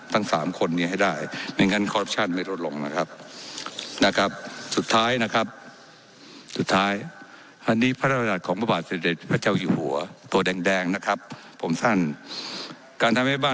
ทั้งสามคนอย่างงี้ให้ได้ไม่อย่างนั้นจะไม่ลดลงนะครับ